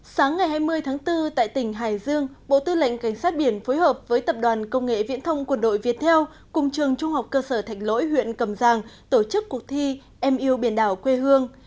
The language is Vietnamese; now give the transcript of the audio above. sáng ngày hai mươi tháng bốn tại tỉnh hải dương bộ tư lệnh cảnh sát biển phối hợp với tập đoàn công nghệ viễn thông quân đội việt theo cùng trường trung học cơ sở thạch lỗi huyện cầm giang tổ chức cuộc thi em yêu biển đảo quê hương